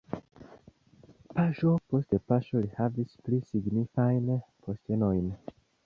Paŝo post paŝo li havis pli signifajn postenojn.